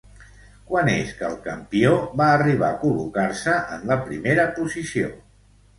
Quan és que el campió va arribar a col·locar-se en la primera posició?